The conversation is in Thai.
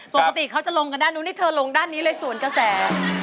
ปกติเขาจะลงกันด้านนู้นนี่เธอลงด้านนี้เลยสวนกระแส